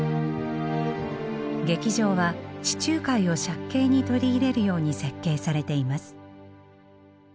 劇場は地中海を借景に取り入れるように設計されています。